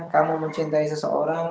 kamu mencintai seseorang